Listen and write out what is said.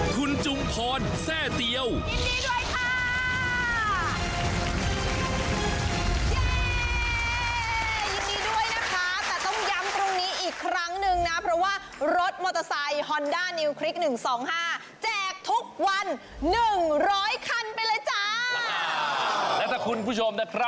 ทุกคนพร้อมนะคะสนามพร้อมนะคะ